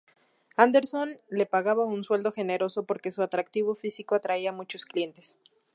Anderson le pagaba un sueldo generoso porque su atractivo físico atraía muchos clientes.